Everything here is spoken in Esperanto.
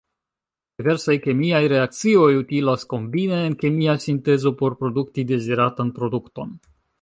Diversaj kemiaj reakcioj utilas kombine en kemia sintezo por produkti deziratan produkton.